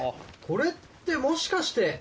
これってもしかして？